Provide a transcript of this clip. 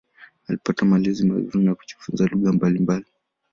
Alipata malezi mazuri na kujifunza lugha mbalimbali.